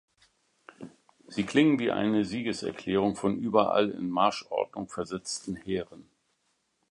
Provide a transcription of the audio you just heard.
Sie klingen wie eine Siegeserklärung von überall in Marschordnung versetzten Heeren.